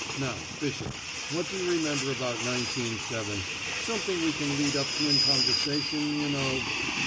Now, Bishop, what do you remember about nineteen seven something we can lead up to in conversation, you know?"